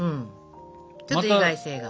ちょっと意外性が？